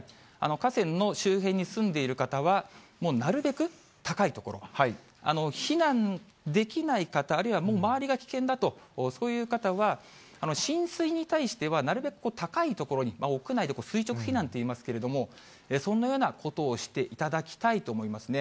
河川の周辺に住んでいる方は、もうなるべく高い所、避難できない方、あるいはもう周りが危険だと、そういう方は、浸水に対してはなるべく高い所に、屋内で垂直避難といいますけれども、そんなようなことをしていただきたいと思いますね。